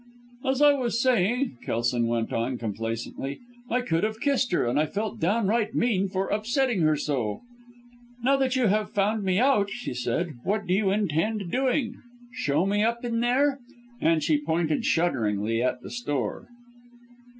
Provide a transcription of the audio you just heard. "As I was saying," Kelson went on complacently, "I could have kissed her and I felt downright mean for upsetting her so. "'Now you have found me out,' she said, 'what do you intend doing? Show me up in there?' and she pointed shudderingly at the store.